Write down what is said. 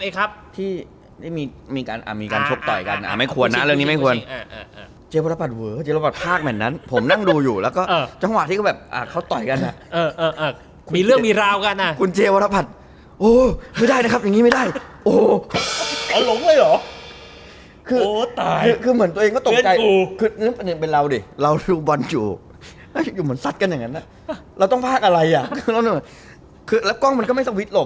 พักลับเช็คเสียงอยู่พักลับเช็คเสียงอยู่พักลับเช็คเสียงอยู่พักลับเช็คเสียงอยู่พักลับเช็คเสียงอยู่พักลับเช็คเสียงอยู่พักลับเช็คเสียงอยู่พักลับเช็คเสียงอยู่พักลับเช็คเสียงอยู่พักลับเช็คเสียงอยู่พักลับเช็คเสียงอยู่พักลับเช็คเสียงอยู่พักลับเช็คเสียงอยู่